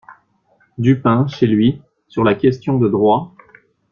Dupin, chez lui, sur la question de droit.